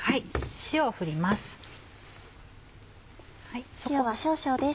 塩を振ります。